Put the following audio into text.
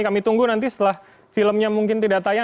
kami tunggu nanti setelah filmnya mungkin tidak tayang